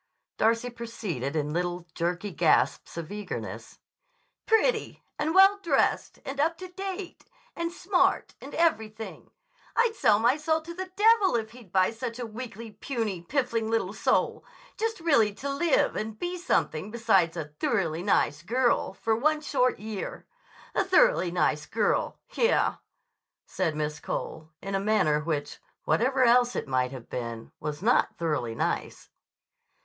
Darcy proceeded in little, jerky gasps of eagerness. "Pretty. And well dressed. And up to date. And smart. And everything! I'd sell my soul to the devil if he'd buy such a weakly, puny, piffling little soul, just really to live and be something besides a 'thoroughly nice girl' for one short year. 'A thoroughly nice girl'! Yah!" said Miss Cole in a manner which, whatever else it might have been, was not thoroughly nice.